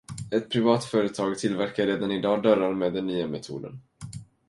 Ett privat företag tillverkar redan idag dörrar med den nya metoden.